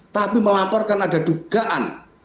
tapi melaporkan ada dugaan